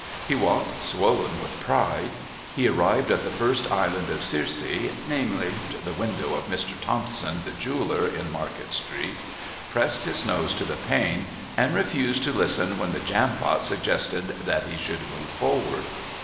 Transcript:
He walked swollen with pride. He arrived at the first Island of Circe, namely, the window of Mr. Thompson, the jeweller in Market Street, pressed his nose to the pane, and refused to listen when the Jampot suggested that he should move forward.